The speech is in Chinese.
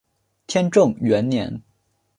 天正元年。